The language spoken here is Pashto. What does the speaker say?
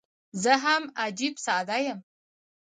زه هم عجيب ساده یم.